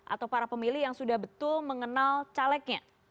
atau para pemilih yang sudah betul mengenal calegnya